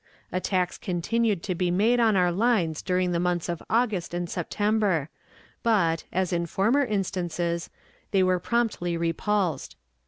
Attacks continued to be made on our lines during the months of August and September, but, as in former instances, they were promptly repulsed.